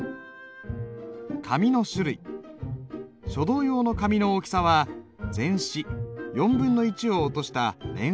書道用の紙の大きさは全紙４分の１を落とした聯落